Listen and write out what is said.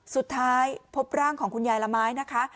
สุดท้ายพบร่างของคุณยายละไม้นะคะ